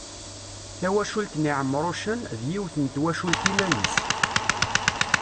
Tawacult n Iɛemrucen, d yiwet n twacult iman-is.